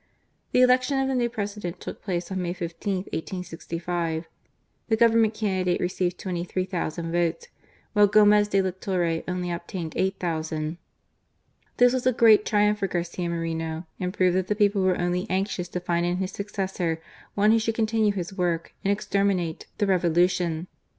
The election of the new President took place on May 15, 1865. The Government candidate received 23,000 votes, while Gomez de la Torre only obtained 8,000. This was a great triumph for Garcia Moreno, and proved that the people were only anxious to find in his successor one who should continue his work and exterminate the Revolution.